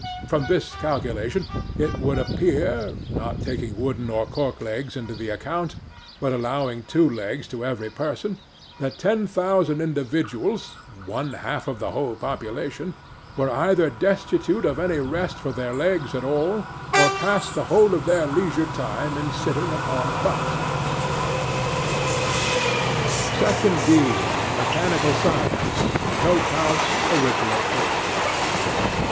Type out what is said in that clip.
From this calculation it would appear,—not taking wooden or cork legs into the account, but allowing two legs to every person,—that ten thousand individuals (one half of the whole population) were either destitute of any rest for their legs at all, or passed the whole of their leisure time in sitting upon boxes. 'SECTION D.—MECHANICAL SCIENCE. COACH HOUSE, ORIGINAL PIG.